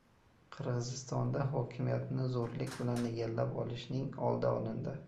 Qirg‘izistonda hokimiyatni zo‘rlik bilan egallab olishning oldi olindi